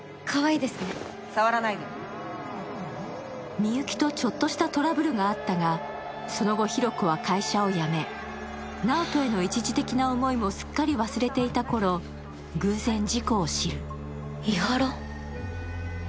美雪をちょっとしたトラブルがあったがその後、比呂子は会社を辞め直人への一時的な思いもすっかり忘れていたころ、偶然、事故を知る。